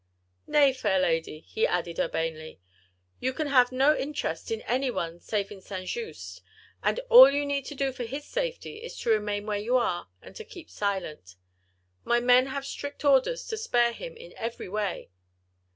"Nay, fair lady," he added urbanely, "you can have no interest in anyone save in St. Just, and all you need do for his safety is to remain where you are, and to keep silent. My men have strict orders to spare him in every way.